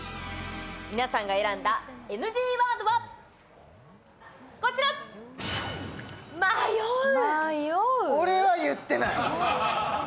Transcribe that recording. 皆さんが選んだＮＧワードは、「迷う」。